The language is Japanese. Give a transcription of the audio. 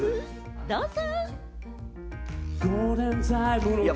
どうぞ！